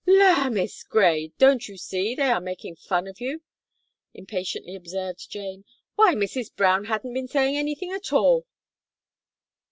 "La, Miss Gray! don't you see they are making fun of you?" impatiently observed Jane. "Why, Mrs. Brown hadn't been a saying anything at all."